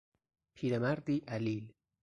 پیرمردی علیل